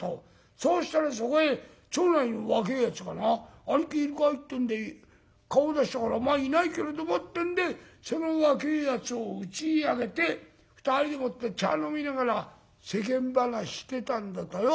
そうしたらそこへ町内の若えやつがな『兄貴いるかい？』って言うんで顔出したから『まあいないけれども』ってんでその若えやつをうちへ上げて２人でもって茶飲みながら世間話してたんだとよ。